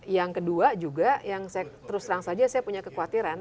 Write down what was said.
yang kedua juga yang saya terus terang saja saya punya kekhawatiran